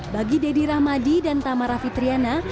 bagi deddy rahmadi dan tamar rafi triana